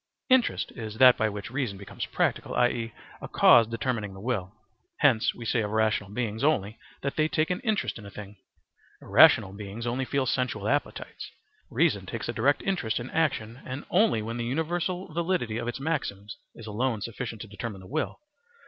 * Interest is that by which reason becomes practical, i.e., a cause determining the will. Hence we say of rational beings only that they take an interest in a thing; irrational beings only feel sensual appetites. Reason takes a direct interest in action then only when the universal validity of its maxims is alone sufficient to determine the will.